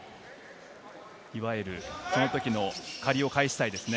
いわゆる、その時の借りを返したいですね。